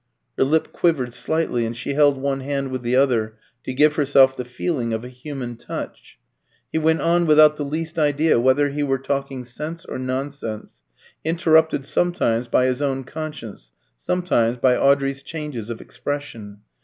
Her lip quivered slightly, and she held one hand with the other to give herself the feeling of a human touch. He went on without the least idea whether he were talking sense or nonsense, interrupted sometimes by his own conscience, sometimes by Audrey's changes of expression.